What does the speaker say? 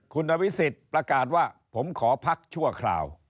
คุณนวิสิทธิ์ประกาศว่าผมขอพักชั่วคราว